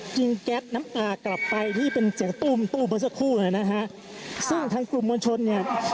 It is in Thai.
แก๊สน้ำตากลับไปที่เป็นเสียงตู้มตู้เมื่อสักครู่นะฮะซึ่งทางกลุ่มมวลชนเนี่ย